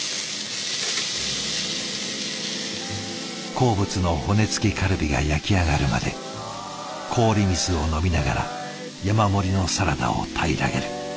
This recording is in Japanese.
好物の骨付きカルビが焼き上がるまで氷水を飲みながら山盛りのサラダを平らげる。